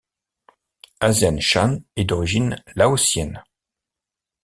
Asian Shan est d'origine laotienne.